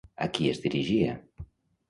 A qui es dirigia?